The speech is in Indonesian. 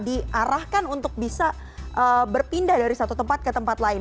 diarahkan untuk bisa berpindah dari satu tempat ke tempat lain